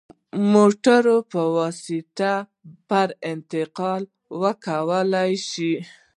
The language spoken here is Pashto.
موټرو په واسطه پر انتقال ولګول شوې.